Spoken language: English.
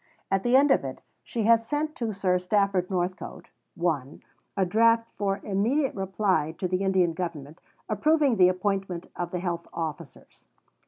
At the end of it she had sent to Sir Stafford Northcote (1) a draft for immediate reply to the Indian Government, approving the appointment of the Health Officers.